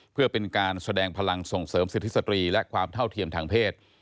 เพื่อเป็นการแสดงพลังส่งเสริมสิทธิสตรีและความเท่าเทียมทางเพศ